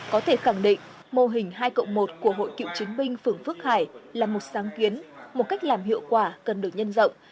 có thể khẳng định mô hình hai cộng một của hội cựu chiến binh phường phước hải là một sáng kiến một cách làm hiệu quả cần được nhân rộng